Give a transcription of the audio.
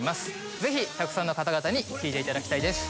ぜひたくさんの方々に聴いていただきたいです。